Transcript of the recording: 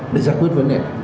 để giải quyết vấn đề